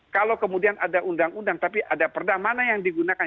kalau kemudian ada undang undang tapi ada perda mana yang digunakan